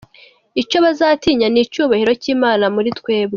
Icyo bazatinya ni icyubahiro cy’Imana muri twebwe.